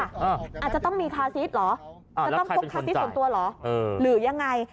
อาจจะต้องมีคาซิสเหรอจะต้องพกคาซิสส่วนตัวเหรอหรือยังไง